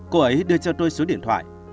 cô ấy đưa cho tôi số điện thoại